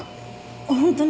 本当に？